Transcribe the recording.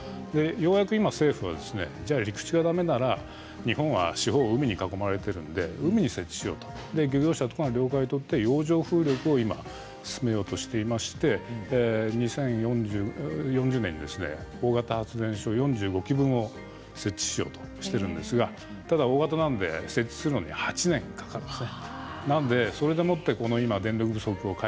ようやく今、政府は陸地がだめなら日本は四方を海に囲まれているから海に設置しようと漁業者に了解を取って洋上風力を今進めようとしていまして２０４０年に大型発電所を４５機分、設置しようとしているんですがただ大型なので設置するので８年かかるんです。